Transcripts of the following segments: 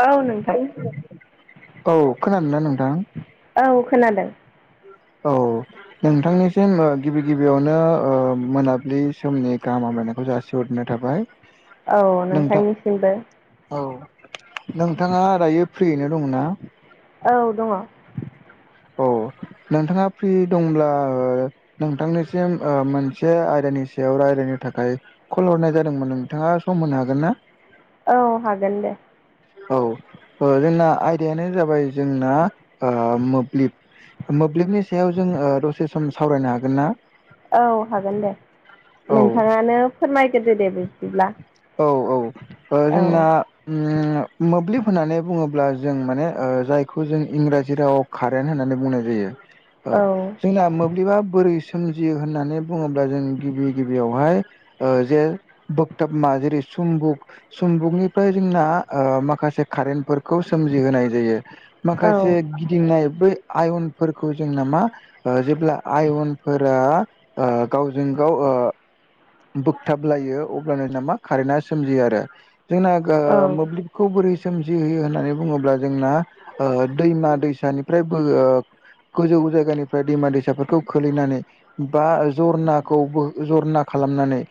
औ नोंथां औ खोनादोंना नोंथां? औ खोनादों। औ। नोंथांनिसिम ओ गिबि गिबियावनो ओ मोनाबिलि समनि गाहाम हामलायनायखौ जासि [unintelligible] थाबाय। औ नोंथां नोंथांनिसिमबो। औ। नोंथाङा दायो फ्रियैनो दंना? औ दंङ औ नोंथांङा फ्रि दंब्ला ओ नोंथांनिसिम ओ मोनसे आयदानि सायाव रायज्लायनो थाखाय कल हरनाय जादोंमोन नोंथाङा सम होनो हागोन ना? औ हागोन दे। औ जोंना आयदायानो जाबाय जोंना ओ मोब्लिब मोब्लिबनि सायाव जों ओ दसे सम सावरायनो हागोन ना? औ हागोन दे औ नोंथाङानो फोरमायग्रोदो दे बिदिब्ला। औ औ ओ जोंना ओम मोब्लिब होननानै बुङोब्ला जों माने ओ जायखौ जों इंराजि रावाव कारेन्ट होननानै बुंनाय जायो ओ औ जोंना मोब्लिबा बोरै सोमजियो होननानै बुङोब्ला जों गिबि गिबियावहाय जे बोगताब मा जेरै सुमबुक सुम्बुकनिफ्राय जोंना ओ माखासे कारेन्टफोरखौ सोमजिहोनाय जायो औ माखासे गिदिंनाय बै आयनफोरखौ जोंना मा ओ जेब्ला आयनफोरा ओ गावजों गाव ओ बोगथाब लायो अब्लानो नामा कारेन आ सोमजियो आरो जोंना गा औ ओ मोब्लिब खौ बोरै सोमजिहोयो होननानै बुङोब्ला जोंना ओ दैमा दैसानिफ्रायबो ओ बो ओ गोजौ जायगानिफ्राय दैमा दैसाफोरखौ खोलैनानै बा जरनाखौबो जरना खालामनानै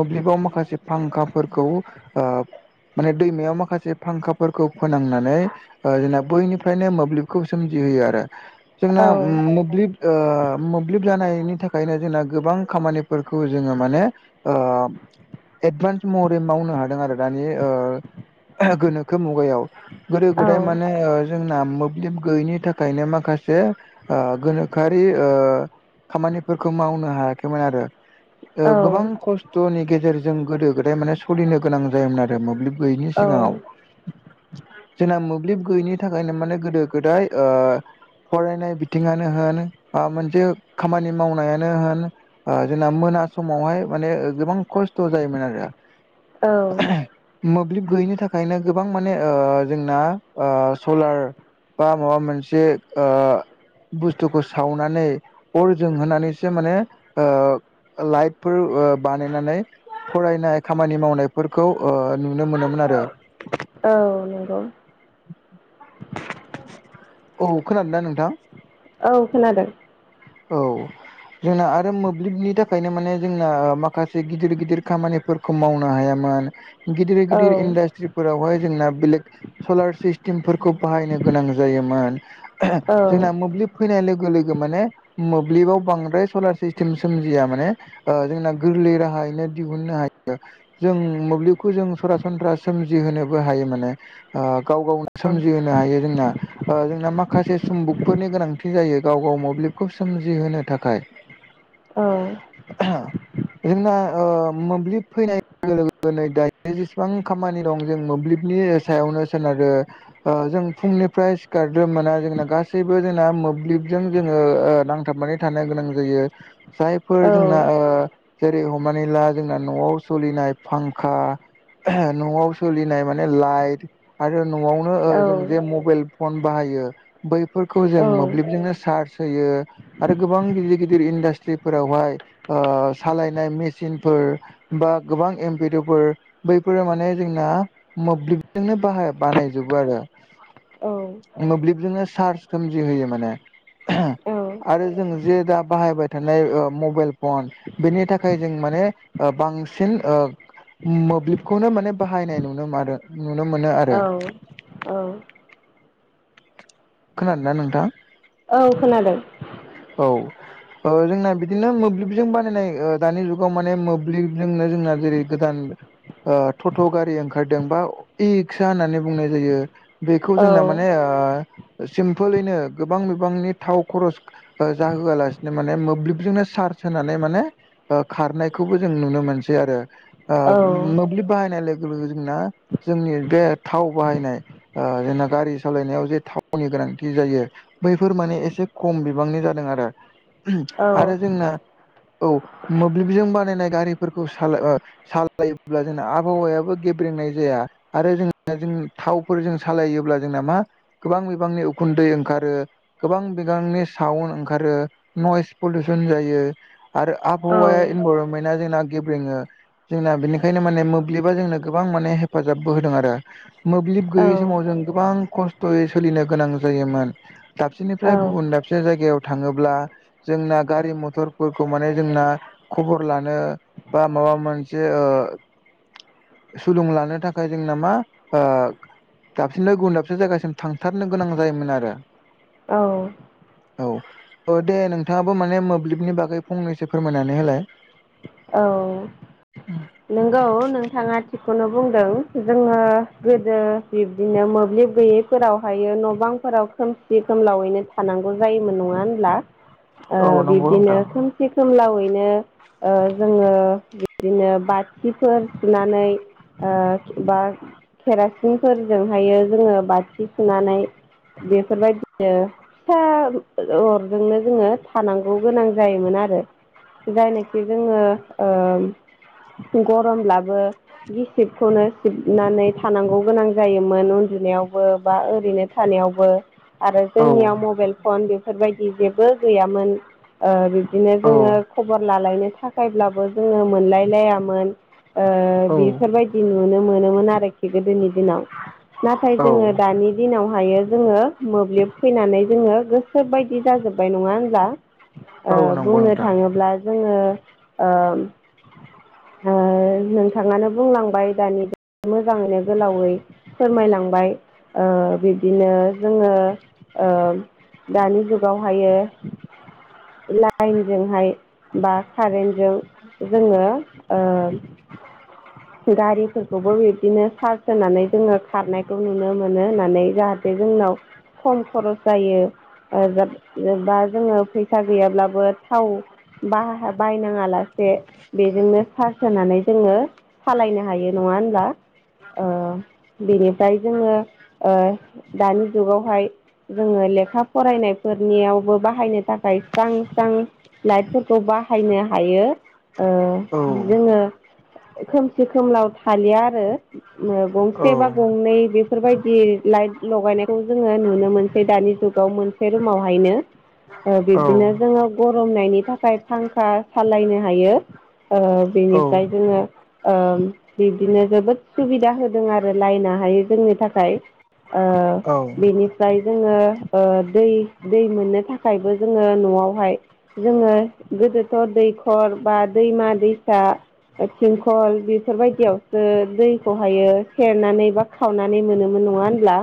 मोब्लिबाव माखासे फांखाफोरखौ ओ माने दैमायाव माखासे फांखाफोरखौ फोनांनानै ओ जोंना बैनिफ्रायनो मोब्लिबखौ सोमजिहोयो आरो जोंना औ मोब्लि ओ मोब्लिब जानायनि थाखायनो जोंना गोबां खामानिफोरखौ जोङो माने ओ एडभान्स महरै मावनो हादों आरो दानि ओ गोनोखो मुगायाव गोदो औ गोदाय माने ओ जोंना मोब्लिब गैयैनि थाखायनो माखासे ओ गोनोखो आरि ओ खामानिफोरखौ मावनो हायाखैमोन आरो ओ गोबां खस्थ'नि गेजेरजों गोदो गोदाय माने सलिनो गोनां जायोमोन आरो मोब्लिब गैयिनि औ सिगाङाव। जोंना मोब्लिब गैयिनि थाखायनो माने गोदो गोदाय ओ फरायनाय बिथिङानो होन बा मोनसे खामानि मावनायानो होन ओ जोंना मोना समावहाय माने गोबां खस्थ' जायोमोन आरो औ मोब्लिब गोयिनि थाखायनो गोबां माने ओ जोंना ओ सलार बा माबा मोनसे ओ बुस्थुखौ सावनानै अर जोंहोनानैसो माने ओ लाइटफोर ओ बानायनानै फरायनाय खामानि मावनायफोरखौ ओ नुनो मोनोमोन आरो औ नंगौ। औ खोनादो ना नोंथां? औ खोनादों। औ जोंना आरो मोब्लिबनि थाखायनो माने जोंना ओ माखासे गिदिर गिदिर खामानिफोर खौ मावनो हायामोन गिदिर औ गिदिर इन्डास्ट्रिफोरावहाय जोंना बेलेग सलार सिस्टेमफोरखौ बाहायनो गोनां जायोमोन औ जोंना मोब्लिब फैनाय लोगो लोगो माने मोब्लिबाव बांद्राय सलार सिस्टेम सोमजिया माने ओ जोंना गोरलै राहायैनो दिहुननो हायो। जों मोब्लिबखौ जों सरासनस्रा सोमजिहोनोबो हायो माने। ओ गाव गाव औ सोमजिहोनो हायो जोंना ओ जोंना माखासे सम्बुकफोरनि गोनांथि जायो गाव गाव मोब्लिब खौ सोमजिहोनो थाखाय। औ जोंना ओ मोब्लिब फैनाय [unintelligible] दायो जेसेबां खामानि दं जों मोब्लिबनि सायावनो सोनारो। ओ जों फुंनिफ्राय सिखारग्रो मोना जोंना गासैबो जोंना मोब्लिबजों जोङो ओ ओ नांथाबनानै थानो गोनां जायो जायफोर जोंना ओ जेरै हमनानै ला जोंना न'आव सलिनाय फांखा न'आव सोलिनाय माने लाइट आरो न'आव ओ ओ जों जे औ मबायल फन बाहायो बैफोरखौ जों मोब्लिबजोंनो सारस थैयो आरो गोबां गिदिर गिदिर इन्डास्ट्रिफोरावहाय ओ सालायनाय मेचिनफोर बा गोबां एमपिड' फोर बैफोरो माने जोंना मोब्लिबजोंनो बाहा बानायजोबो आरो। औ। मोब्लिबजोंनो चार्ज खोमजि होयो माने। औ आरो जों जे दा बाहायबाय थानाय ओ मबेइल फन बेनि थाखाय जों माने बांसिन ओ मोब्लिबखौनो माने बाहायनाय नुनो मारो नुनो मोनो आरो।। ओ खोनादोना नोंथां? औ खोनादों। औ ओ जोंना बिदिनो मोब्लिबजों बानायनाय ओ दानि जुगाव माने मोब्लिबजोंनो जोंना जेरै गोदान ओ टट' गारि ओंखारदों बा इ रिक्सा होननानै बुंनाय जायो। बेखौ जोंना माने ओ सिमपोलैनो गोबां बिबांनि थाव खरस जाहोआलासिनो माने मोब्लिबजोंनो चार्ज होनानै माने ओ खारनायखौबो जों नुनो मोनसै आरो। ओ औ मोब्लिब बाहायनाय लोग [unintelligible] ना जोंनि थाव बाहायनाय ओ जोंना गारि सालायनायाव जे थाव वनि गोनांथि जायो बैफोर माने एसे खम बिबांनि जादों आरो। औ आरो जोंना औ मोब्लिबजों बानायनाय गारिफोरखौ सालाय ओ सालायोब्ला जोंना आबहावायाबो गेब्रेंनाय जाया। आरो जोंना जों थावफोर जों सालायोब्ला जोंना मा गोबां बिबांनि उखुन्दै ओंखारो गोबां बिगांनि साउन्ड ओंखारो नयस पलिउसन जायो आरो औ आबहावाया इनभारनमेन्टआ जोंना गेब्रेङो। जोंना बेनिखायनो माने मोब्लिबा जोंनो गोबां माने हेफाजाबबो होदों आरो। मोब्लिब गैयै औ समाव जों गोबां खस्थ'यै सोलिनो गोनां जायोमोन। दाबसेनिफ्राय औ गुबुन दाबसे जायगायाव थाङोब्ला जोंना गारि मथरफोरखौ माने जोंना खबर लानो बा माबा मोनसे ओ सुलुं लानो थाखाय जोंना मा ओ दाबसेनिफाय गुबुन दाबसे जायगासिम थांथारनो गोनां जायोमोन आरो। औ औ ओ दे नोंथाङाबो माने मोब्लिबनि बागै फंनैसो फोरमायनानै होलाय। औ [inaudible] नंगौ नोंथाङा थिगखौनो बुंदों जोङो गोदो बिब्दिनो मोब्लिब गैयि फोरावहायो न' बांफोराव खोमसि खोमलावैनो थानांगौ जायोमोन नङा होनब्ला? ओ औ नंगौ बिब्दिनो नोंथां खोमसि खोमलावैनो ओ जोङो बिब्दिनो बाथिफोर सुनानै ओ बा केरासिनफोरजोंहायो जोङो बाथि सुनानै बेफोरबायदिनो फिसा अरजोंनो जोङो थानांगौ गोनां जायोमोन आरो। जायनाखि जोङो ओ गरमब्लाबो गिसिबखौनो सिबनानै थानांगौ गोनां जायोमोन उन्दुनायावबो बा ओरैनो थानायावबो आरो औ जोंनियाव मबाइल फन बेफोरबायदि जेबो गैयामोन ओ बिब्दिनो औ जोङो खबर लालायनो थाखाय फायब्लाबो जोङो मोनलायलायामोन ओ औ बेफोरबाय दि नुनो मोनोमोन आरोखि गोदोनि दिनाव नाथाय औ जोङो दानि दिनावहायो जोङो मोब्लिब फैनानै जोङो गोसो बायदि जाजोब्बाय नङा होनब्ला ओ नंगौ बुंनो नोंथां थाङोब्ला जोङो ओ ओ नोंथाङानो बुंलांबाय दानि मोजाङैनो गोलावै फोरमायलांबाय ओ बिब्दिनो जोङो ओ दानि जुगावहायो लाइनजोंहाय बा कारेन्ट जों जोङो ओ गारिफोरखौबो बिब्दिनो सार्स् होनानै जोङो खारनायखौ नुनो मोनो होननानै जाहा थे जोंनाव खम खरस जायो ओ जोबबा जोङो फैसा गैयाब्लाबो थाव बाहाहा बायनाङा लासे बेजोंनो चार्स होनानै जोङो सालायनो हायो नङा होनब्ला ओ बेनिफ्राय जोङो ओ दानि जुगावहाय जोङो लेखा फरायनायफोरनियावबो बाहायनो थाखाय स्रां स्रां लाइटफोरखौ बाहायनो हायो ओ औ जोङो खोमसि खोमलाव थालिया आरो ओ गंसे बा गंनै बेफोरबायदि लाइट लगायनायखौ जोङो नुनो मोनसै दानि जुग आव मोनसे रुमावहायनो। ओ औ बिब्दिनो जोङो गरमनायनि थाखाय फांखा सालायनो हायो ओ औ बेनिफ्राय जोङो ओम बिब्दिनो जोबोद सुबिदा होदों आरो लायेना हाय जोंनो थाखाय ओ औ बेनिफ्राय जोङो ओ दै दै मोननो थाखायबो जोङो न'आवहाय जोङो गोदोथ' दैखर बा दैमा दैसा थिं खल बेफोरबायदियावसो दैखौहायो सेरनानै बा खावनानै मोनोमोन नङा होनब्ला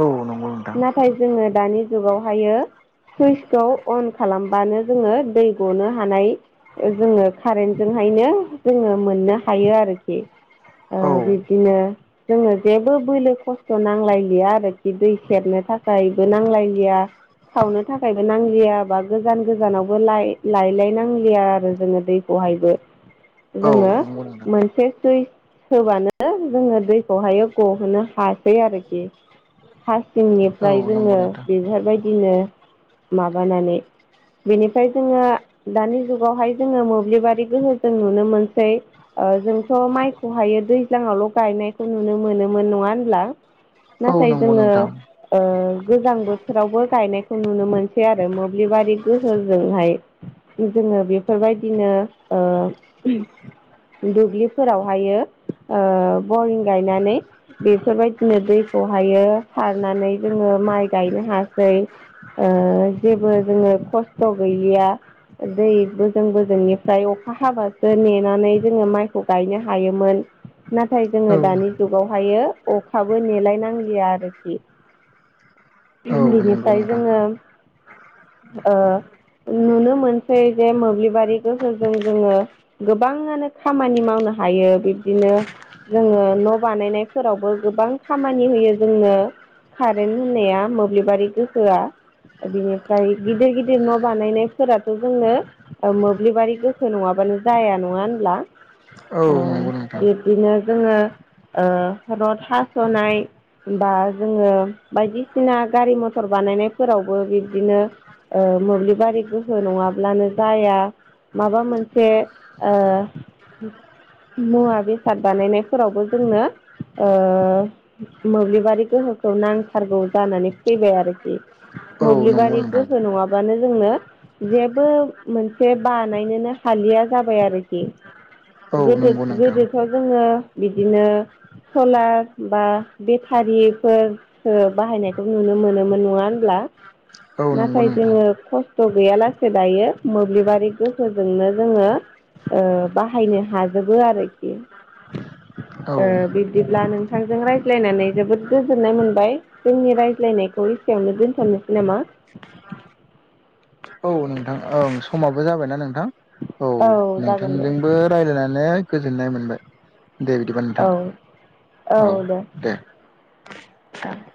औ। नंगौ नोंथां नाथाय जोङो दानि जुगावहायो सुइसखौ अन खालामबानो जोङो दैखौ गनो हानाय जोङो कारेन्टजों हायनो जोङो मोननो हायो आरोखि ओ औ बिब्दिनो जोङो जेबो बोलो खस्थ' नांलायलिया आरोखि दै सेरनो थाखायबो नांलायलिया सावनो थाखायबो नांलिया बा गोजान गोजानावबो लायलाय नांलिया आरो जोङो दै बहायबो। औ जोङो नंगौ नोंथां मोनसे सुइस होबानो जोङो दैखौहाय गहोनो हासै आरोखि औ हासिंनिफ्राय जोङो नंगौ नोंथां बेफोरबायदिनो माबानानै बेनिफ्राय जोङो दानि जुगावहाय जोङो मोब्लिबारि गोहोजों नुनो मोनसै। ओ जोंथ' माइखौहायो दैज्लाङावल' गायनायखौ नुनो मोनोमोन नङा होनब्ला। औ नाथाय नंगौ जोङो नोंथां ओ गोजां बोथोरावबो गायनायखौ नुनो मोनसै आरो मोब्लिबारि गोहोजोंहाय जोङो बेफोरबायदिनो ओ दुब्लिफोरावहायो ओ बरिं गायनानै बेफोरबायदिनो दैखौहायो सारनानै जोङो माइ गायनो हासै ओ जेबो जोङो खस्थ' गैलिया दै बोजों बोजोंनिफ्राय अखा हाबासो नेे नानै जोङो माइखौ गायनो हायोमोन नाथाय जोङो औ दानि जुगावहायो अखाबो नेलायनांलिया आरोखि औ नंगौ बिनिफ्राय नोंथां जोङो ओ नुनो मोनसै जे मोब्लिबारि गोहोजों जोङो गोबाङानो खामानि मावनो हायो बिब्दिनो जोङो न' बानायनायफोरावबो गोबां खामानि होयो जोंनो कारेन्ट होननाया मोब्लिबारि गोहोआ बिनिफ्राय गिदिर गिदिर न' बानायनायफोराथ' जोंनो ओ मोब्लिबारि गोखो नङाबानो जाया नङा होनब्ला औ ओ नंगौ नोंथां बे दिनो जोङो ओ रद हास'नाय होमबा जोङो बायदिसिना गारि मथर बानायनायफोरावबो बिब्दिनो ओ मोब्लिबारि गोहो नङाब्लानो जाया माबा मोनसे ओ मुवा बेसाद बानायनायफोरावबो जोंनो ओ मोब्लिबारि गोहोखौ नांथारगौ जानानै फैबाय आरोखि। औ नंगौ मोब्लिबारि नोंथां गोहो नङाबानो जोंनो जेबो मोनसे बानायनोनो हालिया जाबाय आरोखि। औ गोदो नंगौ नोंथां गोदोथ' जोङो बिदिनो सलार बा बेटारिफोर सो बाहायनायखौ नुनो मोनोमोन नङा होनब्ला। औ नंगौ नाथाय नोंथां जोङो खसथ' गैयालासे दायो मोब्लिबारि गोहोजोंनो जोंङो ओ बाहायनो हाजोबो आरोखि। औ ओ बिब्दिब्ला नोंथांजों रायज्लायनानै जोबोद गोजोननाय मोनबाय जोंनि रायज्लायनायखौ एसेयावनो दोनथ'नोसै नामा औ नोंथां ओं समाबो जाबायना नोंथां औ जागोन दे नोंथांजोंबो रायज्लायनानै गोजोननाय मोनबाय दे बिदिबा नोंथां औ औ दे ओ